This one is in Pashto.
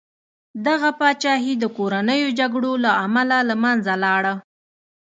دغه پاچاهي د کورنیو جګړو له امله له منځه لاړه.